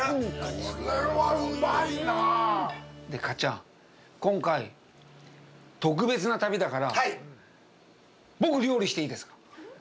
かっちゃん、今回、特別な旅だから僕、料理していいですか。